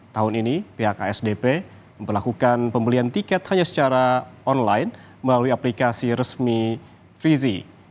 tahun ini pihak asdp memperlakukan pembelian tiket hanya secara online melalui aplikasi resmi vizi